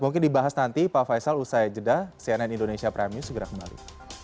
mungkin dibahas nanti pak faisal usai jeda cnn indonesia prime news segera kembali